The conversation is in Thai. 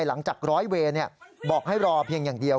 หลังจากร้อยเวย์บอกให้รอเพียงอย่างเดียว